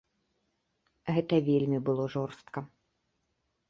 Гэта вельмі было жорстка.